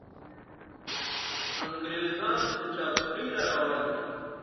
انګریزان په چابکۍ را روان دي.